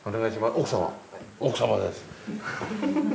奥様です。